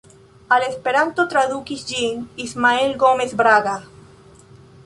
Al Esperanto tradukis ĝin Ismael Gomes Braga.